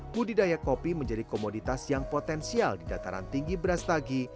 budidaya kopi menjadi komoditas yang potensial di dataran tinggi beras tagi